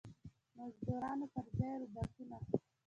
مزدورانو پر ځای روباټونه.